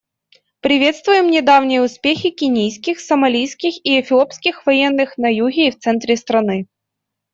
Приветствуем недавние успехи кенийских, сомалийских и эфиопских военных на юге и в центре страны.